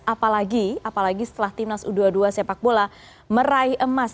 apalagi apalagi setelah timnas u dua puluh dua sepak bola meraih emas